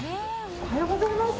おはようございます。